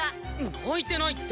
泣いてないって！